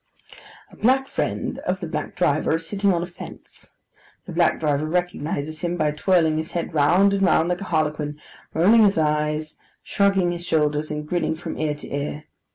A black friend of the black driver is sitting on a fence. The black driver recognises him by twirling his head round and round like a harlequin, rolling his eyes, shrugging his shoulders, and grinning from ear to ear.